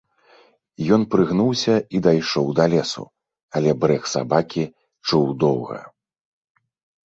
Ён прыгнуўся і дайшоў да лесу, але брэх сабакі чуў доўга.